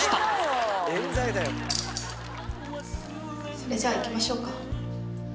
それじゃあ行きましょうか。